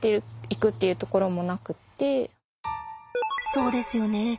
そうですよね。